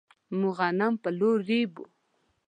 موږ غنم په لور ريبو.